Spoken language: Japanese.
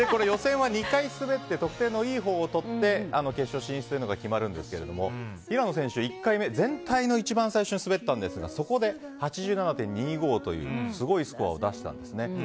予選は２回滑って得点のいいほうをとって決勝進出が決まるんですが平野選手は１回目全体の一番最初に滑ったんですがそこで８７．２５というすごいスコアを出したんですね。